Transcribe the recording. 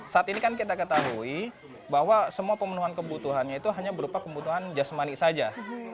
saat ini kan kita ketahui bahwa semua pemenuhan kebutuhannya itu hanya berupa kebutuhan jasmani saja